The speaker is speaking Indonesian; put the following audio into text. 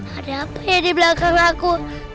ada apa ya di belakang aku